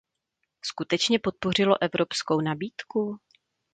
Skutečně podpořilo evropskou nabídku?